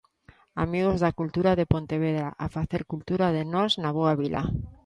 Amigos da cultura de Pontevedra, a facer cultura de nos na boa vila.